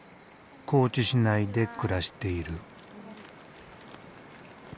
高知市内で暮らしている。